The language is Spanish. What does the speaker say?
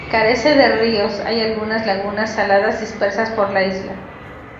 Carece de ríos; hay algunas lagunas saladas dispersas por la isla.